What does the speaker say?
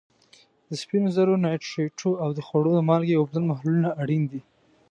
د سپینو زرو نایټریټو او د خوړو د مالګې اوبلن محلولونه اړین دي.